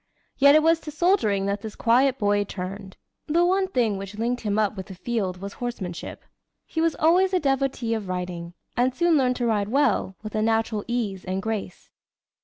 Yet it was to soldiering that this quiet boy turned. The one thing which linked him up with the field was horsemanship. He was always a devotee of riding, and soon learned to ride well, with a natural ease and grace.